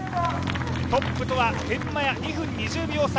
トップとは天満屋、２分２０秒差。